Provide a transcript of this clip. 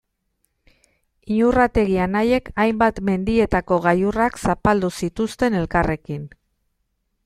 Iñurrategi anaiek hainbat mendietako gailurrak zapaldu zituzten elkarrekin.